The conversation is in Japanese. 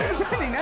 何？